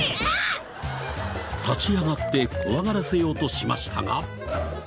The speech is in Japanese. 立ち上がって怖がらせようとしましたが。